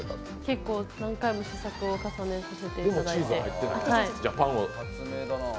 結構何回も試作を重ねさせていただいて。